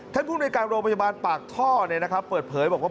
ภูมิในการโรงพยาบาลปากท่อเปิดเผยบอกว่า